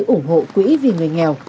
ủng hộ quỹ vì người nghèo